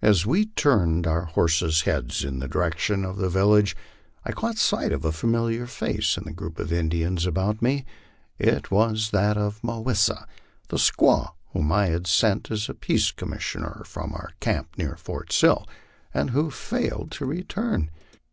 As we were turning our horses' heads in the direction of the village, I caught sight of a familiar face in the group of Indians about me ; it was that of Mah wLs sa, the squaw whom I had sent as peace commissioner from our camp near Fort Sill, and who had failed to return.